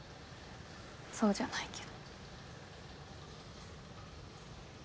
そうじゃないけど。